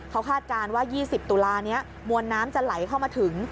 เขาคาดการณ์ว่า๒๐ตุลานี้มวลน้ำจะไหลเข้ามาถึง